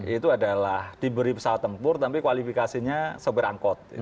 itu adalah diberi pesawat tempur tapi kualifikasinya sopir angkot